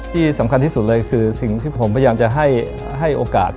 ที่สำคัญที่สุดเลยคือสิ่งที่ผมพยายามจะให้โอกาส